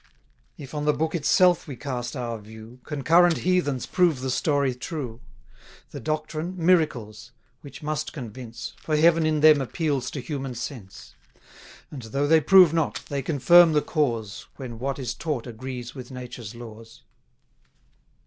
If on the Book itself we cast our view, Concurrent heathens prove the story true: The doctrine, miracles; which must convince, For Heaven in them appeals to human sense: And though they prove not, they confirm the cause, 150 When what is taught agrees with Nature's laws.